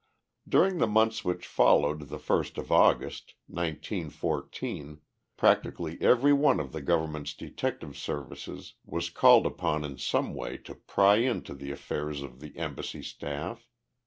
During the months which followed the first of August, nineteen fourteen, practically every one of the government's detective services was called upon in some way to pry into the affairs of the embassy staff.